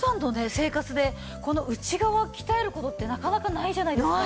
生活でこの内側を鍛える事ってなかなかないじゃないですか。